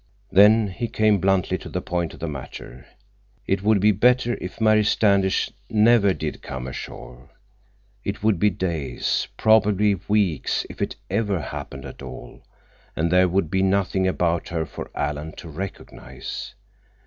Then he came bluntly to the point of the matter. It would be better if Mary Standish never did come ashore. It would be days—probably weeks—if it ever happened at all, and there would be nothing about her for Alan to recognize.